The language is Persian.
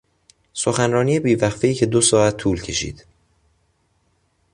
سخنرانی بی وقفهای که دو ساعت طول کشید